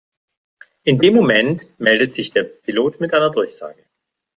In dem Moment meldet sich der Pilot mit einer Durchsage.